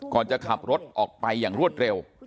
ก่อนจะขับรถออกไปอย่างรวดเร็ว